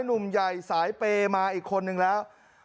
หนุ่มใหญ่สายเปย์มาอีกคนนึงแล้ว